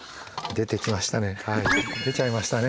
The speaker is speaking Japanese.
出てきましたね。